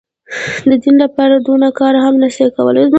د دين لپاره دونه کار هم نه سي کولاى.